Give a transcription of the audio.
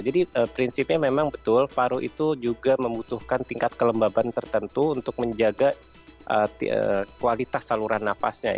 jadi prinsipnya memang betul paru itu juga membutuhkan tingkat kelembaban tertentu untuk menjaga kualitas saluran nafasnya